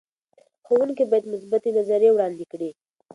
ښوونکي باید مثبتې نظریې وړاندې کړي.